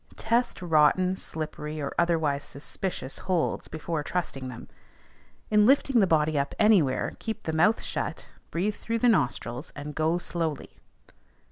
Test rotten, slippery, or otherwise suspicious holds, before trusting them. In lifting the body up anywhere, keep the mouth shut, breathe through the nostrils, and go slowly.